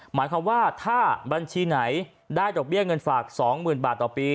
หมายความว่าถ้าบัญชีไหนได้ดอกเบี้ยเงินฝาก๒๐๐๐บาทต่อปี